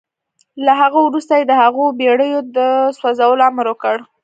له هغه وروسته يې د هغو بېړيو د سوځولو امر وکړ.